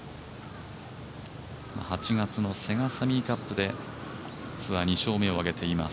８月のセガサミーカップでツアー２勝目を挙げています